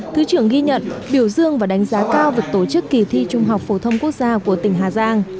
thứ trưởng ghi nhận biểu dương và đánh giá cao việc tổ chức kỳ thi trung học phổ thông quốc gia của tỉnh hà giang